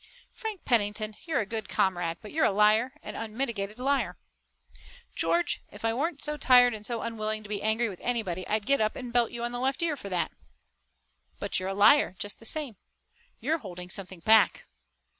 "Frank Pennington, you're a good comrade, but you're a liar, an unmitigated liar." "George, if I weren't so tired and so unwilling to be angry with anybody I'd get up and belt you on the left ear for that." "But you're a liar, just the same. You're holding something back."